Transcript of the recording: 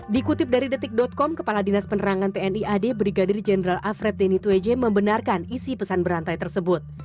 dikutip dari detik com kepala dinas penerangan tni ad brigadir jenderal alfred deni tweje membenarkan isi pesan berantai tersebut